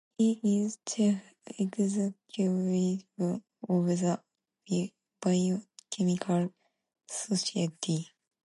He is Chief Executive of the Biochemical Society.